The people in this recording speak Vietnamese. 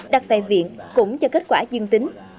đặt tại viện cũng cho kết quả duyên tính